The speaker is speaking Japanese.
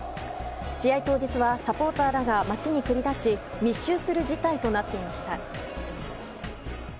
試合当日はサポーターらが街に繰り出し密集する事態となっていました。